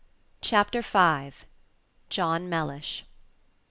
CHAPTER V. JOHN MELLISH.